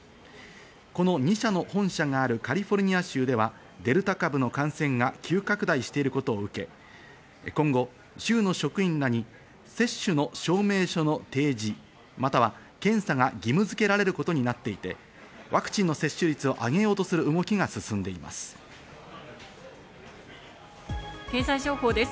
この２社の本社があるカリフォルニア州ではデルタ株の感染が急拡大していることを受け、今後、州の職員らに接種の証明書の提示、または検査が義務づけられることになっていて、ワクチンの接種率を上げようとする動きが進んでいます。